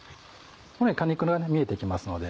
このように果肉見えてきますので。